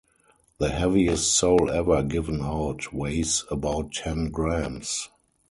The heaviest soul ever given out weighs about ten grams.